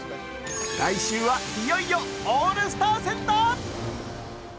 来週は、いよいよオールスター戦だ。